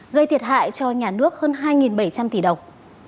gây thiệt hại cho nhà nước hơn hai bảy trăm linh tỷ đồng